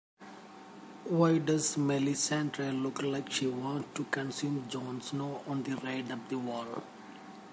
Why does Melissandre look like she wants to consume Jon Snow on the ride up the wall?